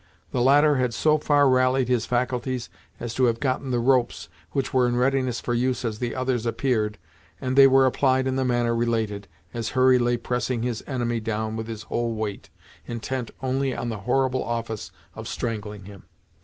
The latter had so far rallied his faculties as to have gotten the ropes, which were in readiness for use as the others appeared, and they were applied in the manner related, as Hurry lay pressing his enemy down with his whole weight, intent only on the horrible office of strangling him.